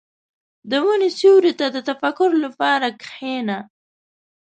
• د ونې سیوري ته د تفکر لپاره کښېنه.